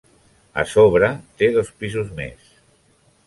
A sobre, té dos pisos més.